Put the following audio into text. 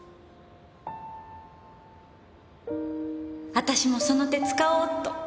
私もその手使おうっと。